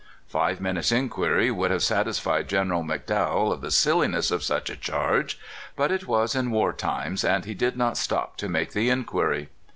Five minutes' inquiry would have satisfied Gen. McDowell of the silliness of such a charge; but it was in war times, and he did not stop to make the inquiry.